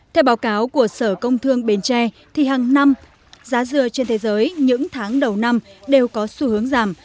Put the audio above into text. theo báo cáo của sở công thương bến tre thì hàng năm giá dừa trên thế giới những tháng đầu năm đều có xu hướng giảm